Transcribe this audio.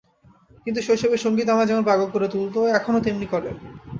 কিন্তু শৈশবে সংগীত আমায় যেমন পাগল করে তুলত, এখনো তেমনি করে।